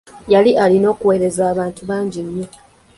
Yali alina okuwereza abantu bangi nnyo.